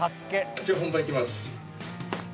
じゃあ本番いきます。